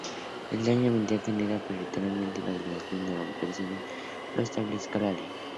El daño ambiental generará prioritariamente la obligación de recomponer, según lo establezca la ley.